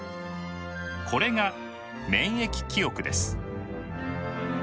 これが「免疫記憶」です。